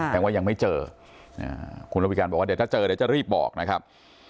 แต่ว่ายังไม่เจอคุณระวิการบอกว่าเดี๋ยวถ้าเจอเดี๋ยวจะรีบบอกนะครับ